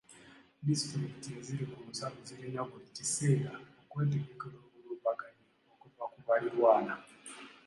Disitulikiti eziri ku nsalo zirina buli kaseera okwetegekera obulumbaganyi okuva ku baliraanyewo.